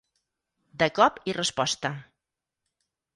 De cop i resposta.